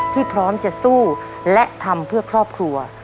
ที่พร้อมจะสู้และทำเพื่อครอบครัว